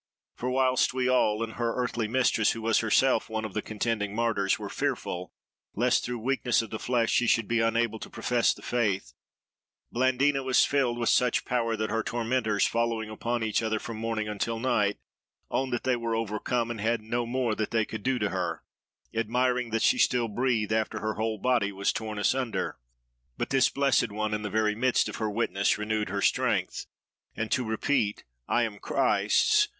For whilst we all, and her earthly mistress, who was herself one of the contending Martyrs, were fearful lest through the weakness of the flesh she should be unable to profess the faith, Blandina was filled with such power that her tormentors, following upon each other from morning until night, owned that they were overcome, and had no more that they could do to her; admiring that she still breathed after her whole body was torn asunder. "But this blessed one, in the very midst of her 'witness,' renewed her strength; and to repeat, I am Christ's!